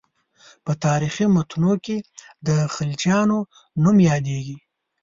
په تاریخي متونو کې د خلجیانو نوم یادېږي.